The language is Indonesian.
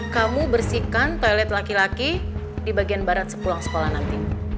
kamu bersihkan toilet laki laki di bagian barat sepulang sekolah nanti